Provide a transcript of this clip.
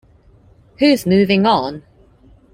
Who's moving on?